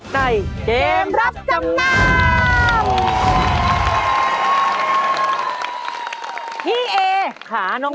ในเกมรับจำนำ